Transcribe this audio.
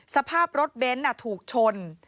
สภาพรถเบนท์ถูกชน